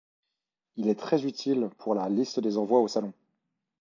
Il est très utile pour la liste des envois aux Salons.